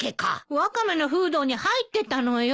ワカメのフードに入ってたのよ。